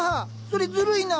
それずるいな！